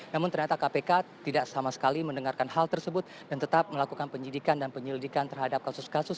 namun ternyata kpk tidak sama sekali mendengarkan hal tersebut dan tetap melakukan penyidikan dan penyelidikan terhadap kasus kasus